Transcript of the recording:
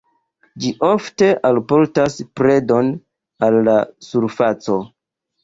Ĝi ofte alportas predon al la surfaco.